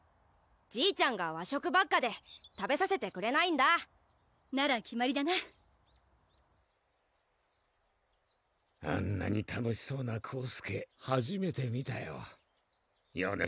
じいちゃんが和食ばっかで食べさせてくれないんだなら決まりだなあんなに楽しそうな宏輔はじめて見たよよね